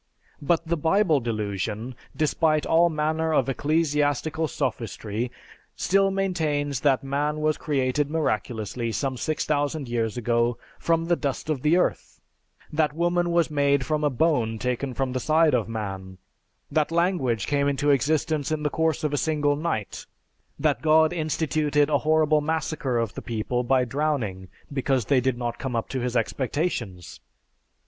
But the Bible Delusion despite all manner of ecclesiastical sophistry still maintains that man was created miraculously some 6000 years ago from the dust of the earth, that woman was made from a bone taken from the side of man, that language came into existence in the course of a single night, that God instituted a horrible massacre of the people by drowning because they did not come up to his expectations.